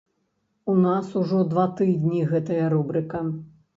У нас ужо два тыдні гэтая рубрыка.